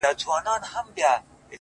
لكه سپوږمۍ چي ترنده ونيسي _